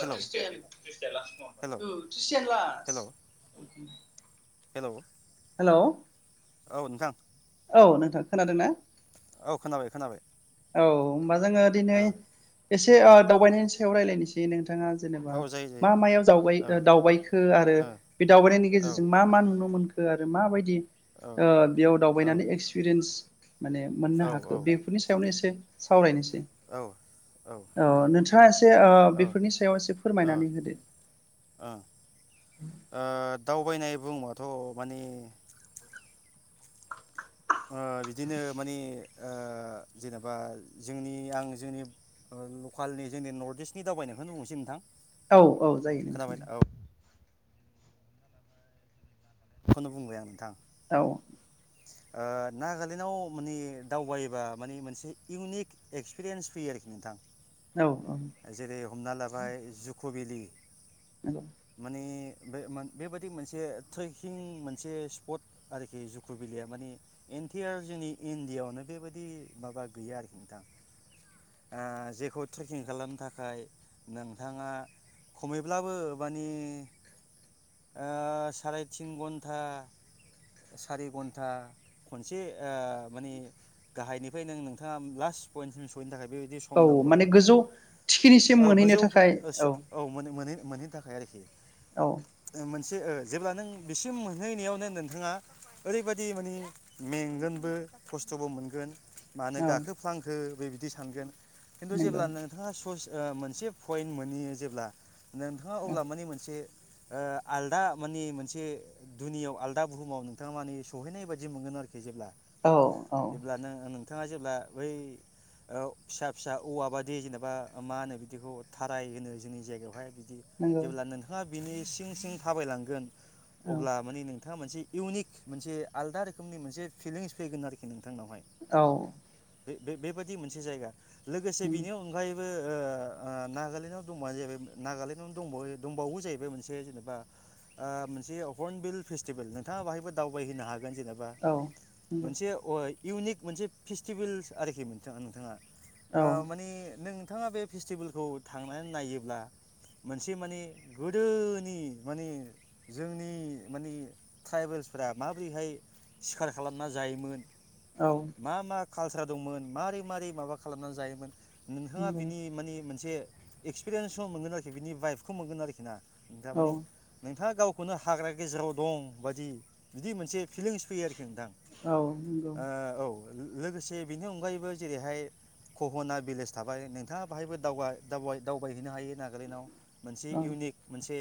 Hello hello hello [unintelligible] hello hello औ नोंथां औ नोंथां खोनादों ना औ खोनाबाय खोनाबाय औ बा जोङो औ दिनै एसे औ ओ दावबायनायनि सायाव रायलायनि एसे नोंथ बिथाङा जेनेबा औ जायो जायो मा मायाव जावबाय औ ओ दावबायखो आरो औ बे दावबायनायनि औ गेजेरजों मा मा नुनो मोनखो हो आरो माबायदि औ ओ बेयाव औ दावबायनानै एक्सपिरियेन्स माने मोननो हाखो बेफोरनि सा नो एसे सावरायनोसै औ नोंथाङा एसे ओ बेफोरनि सायाव एसे औ फोरमायनानै होदो ओ दावबायनाय बुङोबाथ माने ओ बिदिनो माने ओ जेनेबा जोंनि आं जोंनि लकालनि जोंनि नर्थ इस्टनि दावबायनायखौनो बुंनोसै नोंथां औ औ जायो नोंथां खोनाबाय दे औ बेखौनो बुंबाय आं नोंथां औ ओ नागालेण्डआव माने दावबायोबा माने मोनसे इउनिक एक्सपिरियेन्स फैयो आरोखि नोंथां औ औ जेरै हमना लाबाय जु कबिलि नंगौ माने बे मान बेबायदि मोनसे ट्रेकिं मोनसे स्पट आरोखि जुकरु भेलिया माने एन्टेयार जोंनि इण्डियाआवनो बेबायदि माबा गैया आरोखि नोंथां‌ ओ जेखौ ट्रेकिं खालामनो थाखाय नोंथाङा खमैब्लाबो माने ओ सारायतिन घन्टा सारि घन्टा खनसे ओ माने गाहायनिफ्राय नों नोंथाङा लास्ट पइन्टसिम सहैनो थाखाय बेबायदि सम औ नांगौ माने आरोखि गोजौ नोंथां थिखिनिसिम औ मोनहैनो गोजौ थाखाय ओ सो औ मोन मोनो‌ मोनहैनो थाखाय आरोखि औ मोनसे जेब्ला नों बिसिम मोनहैनायावनो नोंथाङा ओरैबायदि मानि मेंगोनबो खस्थबो मोनगोन मानो औ गाखो फ्लांखो बे बिदि सानगोन किनतु नंगौ जेब्लानो नोंथाङा सस मोनसे पइन्ट मोनैयो जेब्ला नोंथाङा औ अब्ला मानि मोनसे ओ आलदा मानि मोनसे दुनियाव आलदा बुहुमाव नोंथाङा माने सहैनाय बायदि मोनगोन आरोखि जेब्ला औ औ जेब्ला नों नोंथाङा जेब्ला बै फिसा फिसा ओ औवा बादि जेनेबा मा मा होनो बिदिखौ थाराय होनो जोंनि जायगायावहाय नंगौ जेब्ला नोंथाङा बिनि सिं सिं थाबायलांगोन औ अब्ला माने नों नोंथाङा मोनसे इउनिक मोनसे आलदा रोखोमनि मोनसे फिलिंस फैगोन आरोखि नोंथ बिथां नावहाय औ बे बे बेबायदि मोनसे जायगा लोगोसे बिनि नंगौ उन बो नागालेण्डआव दंबानो ज नागालेण्डआव दंबावो जाहैबाय मोनसे जेनेबा मोनसे हर्नबिल फेस्टिभेल नोंथाङा बहायबो दावबायहोननो हागोन गोन जेनेबा औ नंगौ मोनसे अय इउनिक मोनसे फेस्टिभेलस आरोखि नोंथाङा नोंथाङा आ माने नोंथाङा बे फेस्टिभेलखौ थांनानै नायोब्ला मोनसे माने गोदोनि माने जोंनि माने ट्राइबेल्सफ्रा माबोरैहाय सिखार खालामना जायोमोन औ मा मा कालसार दंमोन मारै मारै माबा खालामनानै जायोमोन नोंथाङा बिनि मानि मोनसे एक्सपिरियेन्स मोनगोन आरोखि बिनि बाइफखौ मोनगोन आरोखि ना थारमाने नोंथाङा गावखौ खुनु हाग्रा गेजेराव दं बायदि बिदि मोनसे फिलिंस फैयो आरोखि नोंथां औ नंगौ औ लोगोसे बेनि अनगायैबो जेरैहाय कहना भलेज थाबाय नोंथाङा बाहायबो दाव दावबायहैनो हायो नागालेण्डआव मोनसे इउनिक मोनसे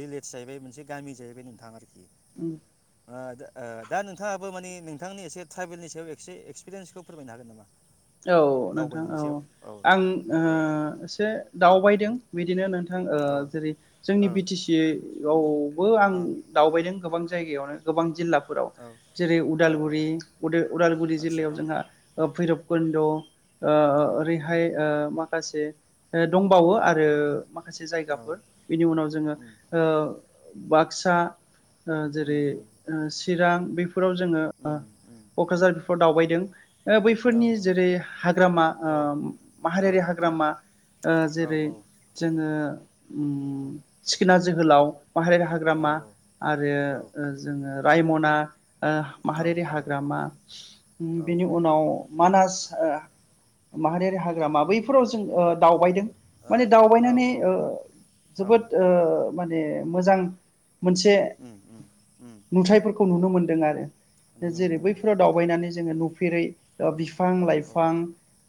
भिलेज जाहैबाय मोनसे गामि जाहैबाय नोंथां आरखि ओम दा नोंथाङाबो मानानि नोंथांनि एसे ट्राइभेलनि सायाव एक्सपिरियेन्सखौ फोरमायनो हागोन नामा औ नोंथां दावबायनायनि औ सायाव आं औ ओ एसे दावबायदों बिदिनो नोंथां औ जेरै औ जोंनि बि टि सि आवबो आं ओ औ दावबायदों गोबां जायगायावनो गोबां जिल्ला फोराव जेरै औ औ उदालगुरि उदालगुरि आदसा जिल्लायाव औ जोंहा भैरब खन्द ओ औ ओरैहाय मा माखासे दंबावो उम आरो माखासे औ जायगाफोर बेनि उनाव जोंङो उम बाक्सा ओ उम जेरै उम ओ चिरां फोराव जोंङो उम उम ओ उम कक्राझार बेफोराव दावबायदों ओ बै औ फोरनि जेरै हाग्रामा औ ओ माहारियारि हाग्रामा ओ औ जेरै जोंङो ओ उम ओम सिखोना जोहोलाव माहिरियारि औ हाग्रामा आरो औ ओ जोंङो रायमन ना ओ औ माहारियारि हाग्रामा ओम बिनि उनाव मानास ओ माहारियारि हाग्रामा बैफोराव जों ओ दावबायदों माने औ दावबायनानै ओ जोबोद औ ओ माने मोजां मोनसे उम उम उम नुथायफोरखौ उम नुनो मोनदों आरो नुनो जेरै मोनदों बैफोराव औ दावबायनानै जोंङो न फेरै ओ औ बिफां-लाइफां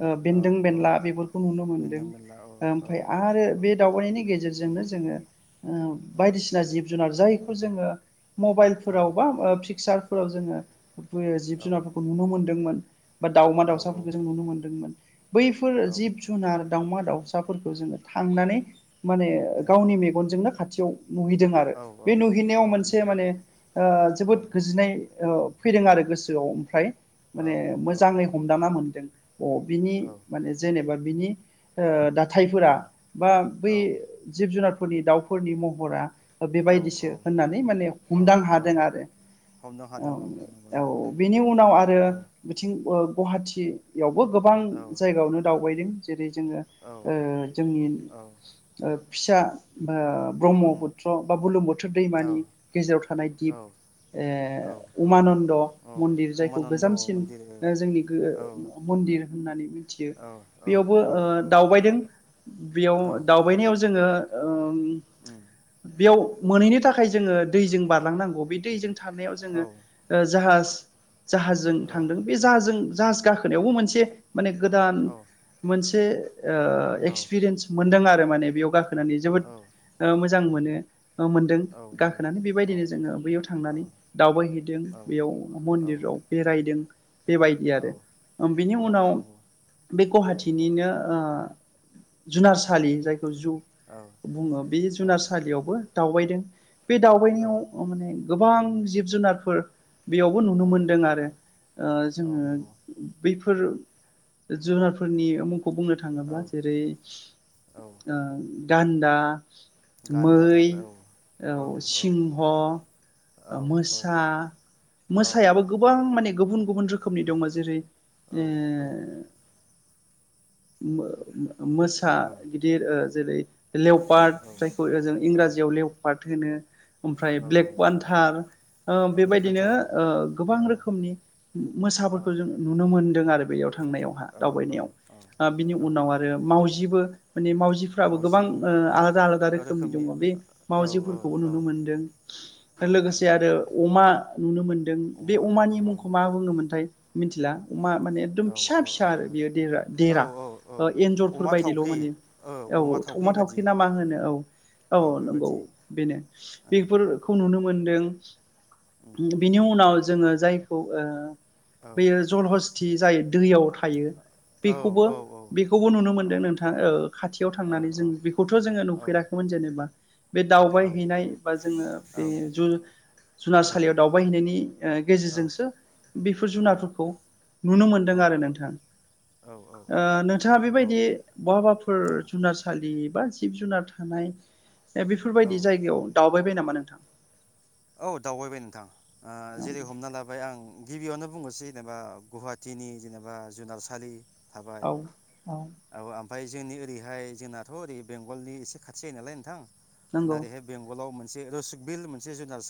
ओ औ बेन्दों औ बेनला बेफोरखौ नुनो मोनदों बेन्दों बेनला औ औ ओमफाय औ आरो औ बे दावबायनायनि उम गेजेरजोंनो जोङो ओ उम बायदिसिना जिब जुनार जाय खौ जोंङो औ मबाइलफोरावबा ओ पिकसार फोराव जोंङो बो जिब औ जुनारफोरखौ नुनो मोनदोंमोन बा दावमा औ दाउसाफोरखौ जों नुनो मोन्दोंमोन बैफोर जिब जुनार दावमा दाउसाफोरखौ जोङो थांनानै माने गावनि मेगनजोंनो खाथियाव नुहैदों आरो औ औ बे औ नुहैनायाव मोनसे नंगौ माने ओ औ जोबोद गोजोननाय ओ फैदों आरो गोसोआव ओमफ्राय। माने औ-औ। मोजाङै हमदांना मोनदों। अ बिनि माने जेनेबा बिनि ओ दा थायफोरा बा बै औ जिब जुनार फोरनि दाउफोरनि महरा ओ औ बेबायदिसो होननानै माने हमदां औ हादों आरो हमनो हादों औ नंगौ नंगौ औ-औ नंगौ बेनि उनाव आरो औ ओ गुहाटियाव। बो गोबां औ जायगायावनो दावबायदों। जेरै जोङो औ ओ जोंनि ओ फिसा बा उम ब्रह्मपुत्र बा बुरलुंबुथुर औ दैमानि गेजेराव थानाय दिप औ औ ओ औ उमानन्द औ मन्दिर जायखौ उमानन्द गोजामसिन मन्दिर ओ जोंनि गो औ औ मन्दिर होननानै मिथियो औ बेयावबो ओ दावबायदों बेयाव औ दावबायनायाव जोङो ओ उम बेयाव मोनहैनो थाखाय जोङो दैजों बारलांनांगौ बे दैजों थानायाव औ जोङो ओ जाहाज जाहाजजों थांदों। जों जाहाज गाखोनायावबो मोनसे माने गोदान औ मोनसे ओ एक्सपिरियेन्स मोनदों आरो। ओमफ्राय माने बेयाव गाखो होनानै औ जोबोद ओ मोजां मोनो। [unintelligible] अ मोनदों औ नंगौ गाखोनानै औ बेबायदिनो जोङो बैयाव औ थांनानै दावबायहैदों औ बेयाव औ नंगौ औ मन्दिराव बेरायदों। बेबायदि औ आरो बिनि औ उनाव बे गुवाहाटीनिनो ओ ओ जुनारसालि जाय जु बुङो बे जुनारसालियावबो दावबायदों। बे दावबायनायाव माने गोब गोबां जिब-जुनारफोर बेयावबो नुनो मोनदों आरो। ओ जोङो नंगौ बैफोर जुनारफोरनि ओ मुंख खौ बुंनो औ थाङोब्ला जेरै औ ओ गान्दा गान्दा मै थाबाय औ औ सिंह, औ ओ मोसा। औ मोसायाबो गोबां माने गुबुन रोखोमनि दङ जेरै औ ओ मो-मो मोसा गिदिर ओ जेरै लेवपार्ट जायखौ जों औ इंराजियाव लेवपार्ट होनो। ओमफ्राय औ ब्लेक औ वान्थार ओ ब्लेक बेबायदिनो पेन्टार औ ओ गोबां औ रोखोमनि मोसाफोरखौ जों नुनो मोनदों आरो बेयाव थ थांनायावहा औ औ दावबायनायाव ओ बिनि औ उनाव आरो मावजिबो माने मावजिफ्राबो गोबां मावजिबो ओ आलादा आलादा रोखोमनि दङ बे औ औ मावजिफोरखौबो औ नुनो मोनदों औ लोगोसे नंगौ आरो नंगौ अमा नुनो मोनदों बे अमा अमानि औ मुंखौ बुङोमोनथाय मिनथिला। अमा माने एकदम औ फिसा फिसा आरो बेयो देरा-देरा औ एन्जरफोर अमा बायदिल थावख्रि माने अमा औ थावमा थावख्रि बादि न मा होनो औ औ नंगौ बेनो ओ बेफोरखौ नुनो मोन दों उम बिनि उनाव जोङो जायख खौ ओ औ बैयो जल हस्ती खि जायो दैयाव थ औ थायो औ बेखौबो नुनो औ मोनदों नोंथाङा खाथियाव थांनानै जों बेखौथ जोङो नुफेराख खैमोन जेनेबा बे दावबाय हैैनाय बा जोङो बे औ जुनारसालियाव दावबायहैनायनि ओ गेजेरजों बेफोर जुनारफोरखौ नुनो मोनदों आरो नोंथां ओ नोंथाङा बेबायदि बहाबाफोर जुनारसालि बा जिब जुनार थानाय बेफोरबायदि जायगायाव दाउ बायबाय नामा नोंथां? औ दावबायबाय नोंथां। ओ औ जेरै हमना लाबाय आं गिबियावनो बुंनोसै जेनेबा गुवाहाटिनि जेनेबा जुनारसालि थाबाय औ औ आब आ ओमफ्राय जोंनि ओरैहाय जोंनाथ ओरै बेंगलनि एसे खाथि जायो नालाय नोंथां। जोंहा नंगौ एरैहाय बेंगलाव मोन मोनसे रसक बिल मोनसे जुनार [unintelligible] दं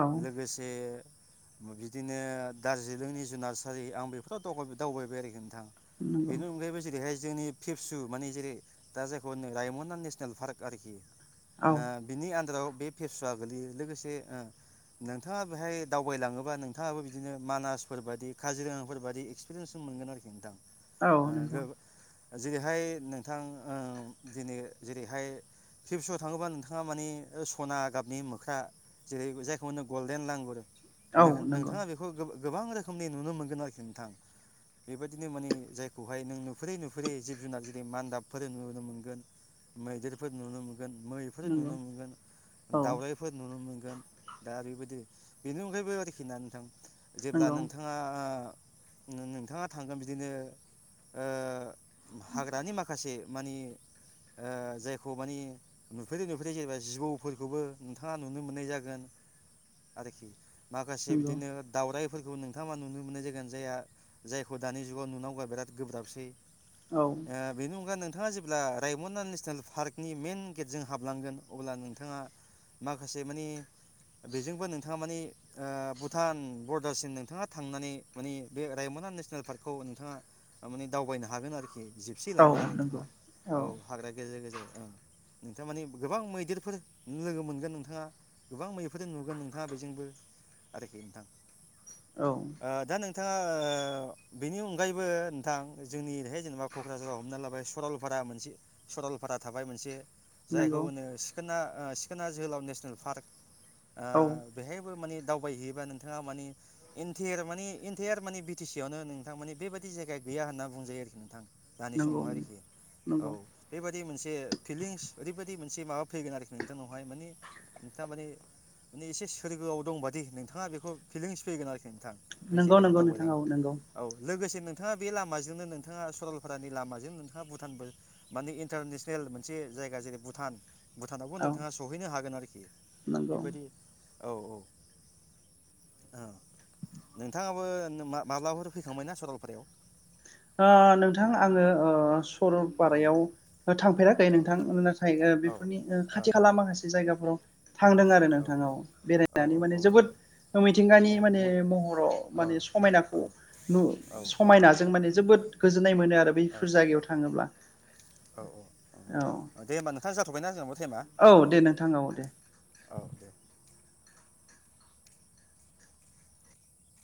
औ लोगोसे बिदिनो दार्जिलिंनि जुनारसालि आं बेफोरोव दावबायबाय आरोखि नोंथा नंगौ बेनि अनगायैबो जेरैहाय जोंनि फेबसु मानानि जेरै दा जायखौ होन रायमना नेसनेल पार्क आरोखि। औ ओ बेनि आनदाराव बे फेबसुव आ गोग्लैयो। लोगोसे नोंथाङा बेहाय दावबायलाङोबा नोंथाङाबो बिदिनो मानासफोर बादि काजिरङाफोर बादि एक्सपिरियेन्स मोनगोन आरोखि नोंथां। औ नोंगौ। ओ जेरैहाय नोंथां ओ दिनै जेरैहाय फेपसुआव थाङोबा नोंथाङा मानि सना गाबनि मोख्रा जेरै जायखौ मोनो गल्डेन लांगुर औ नंगौ नोंथाङा बेखौ गोबां रोखोमनि नुनो मोनगोन आरोखि नोंथां बेबायदिनो माने जायखौहाय नों नुफुरै नुफुरै जिब जुनार जेरै मान्दाबफोर नुनो मोनगोन मैदेरफोर नुनो मोनगोन। मै फोर नुनो नंगौ मोनगोन औ दावरायफोर नुनो मोनगोन दा बेबायदि बेनि अनगायैबो आरोखि ना नोंथां जेब्ला नंगौ नोंथाङा आ नों नोंथाङा थांगोन बिदिनो ओ हाग्रानि माखासे माने ओ जायखौ माने नुफेरै नुफेरै जेनेबा जिबौफोरखौबो नोंथाङा नुनो मोननाय जागोन आरोखि। माखासे नंगौ बिदिनो दाावराय फोरखौ नोंथांङा नुनो मोननाय जागोन जायहा जायखौ दानि जुगाव नुुनांगौआ बिराद गोब्राबसै। औ आ बेनि अनगा नों नोंथाङा जेब्ला रायमना नेसनेल पार्कनि मेइन गेटजों हाबलांगोन अब्ला नोंथाङा माखासे माने बेजोंबो नोंथाङा माने ओ भुटान बरदारसिम नोंथाङा थांनानै माने बे रायमना नेसनेल पार्कखौ नोंथाङा माने दावबायनो हागोन आरो खि जिपसि औ लानानै नोंथाङा नंगौ औ हाग्रा गेजेर गेजेर ओ नोंथाङा माने गोबां मैदेरफोर लोगो मोनगोन। गोन नोंथाङा गोबां मैफोरजों नुगोन नोंथाङा बेजोंबो आरोखि नोंथां। औ थाङा बेनि अनगायैबो नोंथां जोंनि ओरैहाय जेनेबा क'क्राझाराव हमना लाबाय सरलपारा मोनसे सरलपारा थाबाय मोनसे‌ जायखौ नंगौ होनो सिखोना ओ सिखोना जोहोलाव नेसनेल पार्क आ औ बेहायबो माने दावबायहैयोबा नोंथाङा माने इन्टेयार माने इन्टेयार माने बि टि सि आवनो नोंथा माने बेबायाददि जायगा गैया होनना बुंजायो आरोखि नोंथां दानि समाव नंगौ नंगौ आरोखि औ नंगौ बेबादि मोनसे फिलिंस ओरैबायदि मोनसे माबा फैगोन आरोखि नोंथांनावहाय माने नोंथाङा माने माने एसे सोरगोआव दंबादि नोंथाङा बेखौ फिलिंस फैगोन आरोखि नोंथां बे नंगौ नंगौ जायगाजों नोंथां औ दावबायलाङोब्ला नंगौ औ लोगोसे नोंथाङा बे लामाजोंनो नोंथाङा सरलपारानि लामाजोंनो नोंथाङा भुटानबो माने इन्टारनेसनेल मोनसे जायगा जेरै भुटान भुटानावबो औ नोंथाङा सहैनो हागोन हागोन आरोखि नंगौ बेबायदि औ औ ओ नोंथाङाबो नो मा माब्लाफोर फैखांबायना सरलफारायाव ओ नोंथां आङो ओ औ सरलपारायाव ओ थांफेरो खै औ नोंथां आं थारैनो औ बेफोरनि औ खाथि खाला माखासे जाय गाफोराव थांदों आरो नोंथा औ औ बेरायनानै औ माने जोबोद मिथिंगानि माने महराव माने समायनाखौ नु औ समायना जोबोद गोजोन नाय मोनो आरो बैफोर जायगायाव थाङोब्ला औ औ औ दे होनबा नोंथां जा [unintelligible] औ दे नोंथां औ दे औ दे